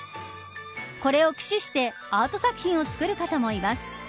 これを駆使してアート作品を作る方もいます。